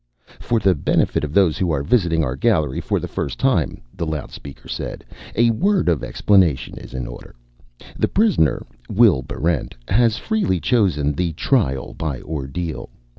"For the benefit of those who are visiting our gallery for the first time," the loudspeaker said, "a word of explanation is in order. The prisoner, Will Barrent, has freely chosen the Trial by Ordeal.